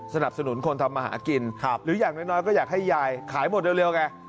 สนับสนุนคนทำมาหากินหรืออย่างน้อยก็อยากให้ยายขายหมดเร็วไง